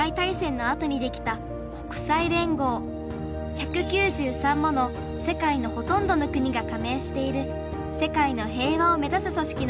１９３もの世界のほとんどの国がかめいしている世界の平和を目指すそしきなんだ。